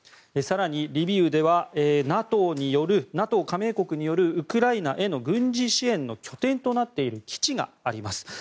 更にリビウではＮＡＴＯ加盟国によるウクライナへの軍事支援の拠点となっている基地があります。